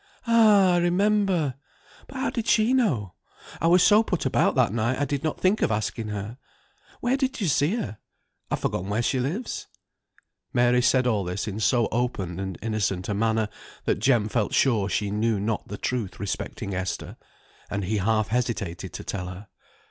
"Ah, I remember! but how did she know? I was so put about that night I did not think of asking her. Where did you see her? I've forgotten where she lives." Mary said all this in so open and innocent a manner, that Jem felt sure she knew not the truth respecting Esther, and he half hesitated to tell her.